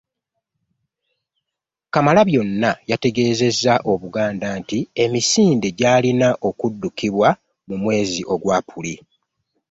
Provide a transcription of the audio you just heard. Kamalabyonna yategezezza Obuganda nti emisinde gy'alina okuddukibwa mu mwezi gwa April